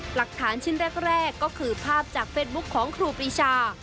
หลักฐานชิ้นแรกก็คือภาพจากเฟซบุ๊คของครูปรีชา